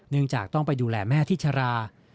เนื่องจากต้องไปดูแลแม่ที่ชรา